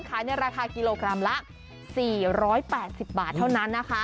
ในราคากิโลกรัมละ๔๘๐บาทเท่านั้นนะคะ